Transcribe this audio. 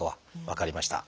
分かりました。